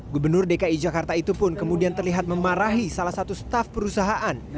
gubernur dki jakarta itu pun kemudian terlihat memarahi salah satu staf perusahaan